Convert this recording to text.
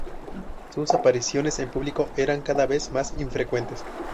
Sus apariciones en público eran cada vez más infrecuentes.